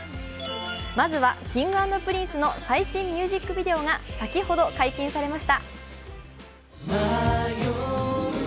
まずはＫｉｎｇ＆Ｐｒｉｎｃｅの最新ミュージックビデオが先ほど解禁されました。